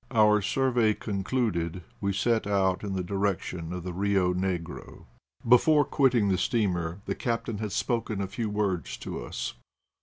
Our survey concluded, we set out in the direc tion of the Rio Negro. Before quitting the steamer the captain had spoken a few words to us.